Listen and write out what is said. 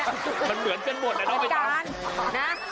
มันเหมือนเป็นบทแต่ต้องไปตาม